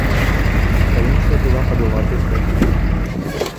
Правінцыя была пад уладай прэтара.